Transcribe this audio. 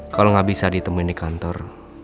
kalau gak bisa ditemui di kantor